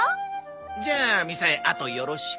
じゃあみさえあとよろしく。